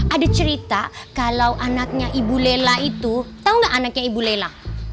ada cerita kalau anaknya ibu lela itu tahu nggak anaknya ibu lela